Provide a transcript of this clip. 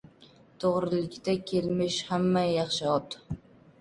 To‘g‘rilikdan kelmish hamma yaxshi ot